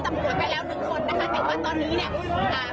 ตำรวจไปแล้วหนึ่งคนนะคะแต่ว่าตอนนี้เนี่ยอ่า